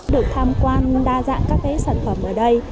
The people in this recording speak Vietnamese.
được tham quan đa dạng các sản phẩm ở đây